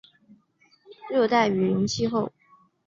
砂拉越拥有热带雨林气候。